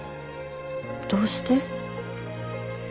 どうして？